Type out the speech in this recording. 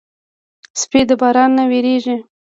سپي د باران نه وېرېږي.